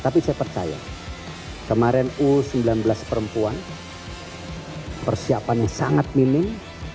tapi saya percaya kemarin u sembilan belas perempuan persiapannya sangat minim